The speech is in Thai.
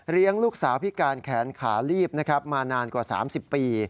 เลี้ยงลูกสาวพิการแขนขาลีบมานานกว่า๓๐ปี